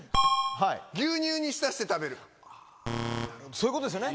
そういうことですよね。